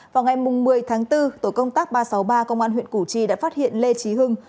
vào ngày một mươi tháng bốn tổ công tác ba trăm sáu mươi ba công an huyện củ chi đã phát hiện lê trí hưng